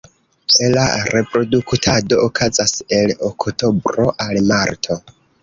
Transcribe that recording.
La reproduktado okazas el oktobro al marto.